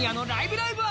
ライブ！」は